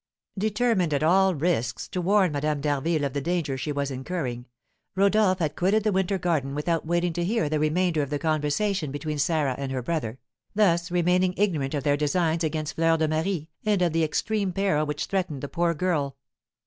Determined at all risks to warn Madame d'Harville of the danger she was incurring, Rodolph had quitted the winter garden without waiting to hear the remainder of the conversation between Sarah and her brother, thus remaining ignorant of their designs against Fleur de Marie, and of the extreme peril which threatened the poor girl.